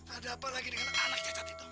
ada apa lagi dengan anak cacat itu